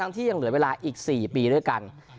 ที่ยังเหลือเวลาอีก๔ปีด้วยกัน